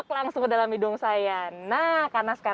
kalau sudah mendidih siap disajikan dan disantap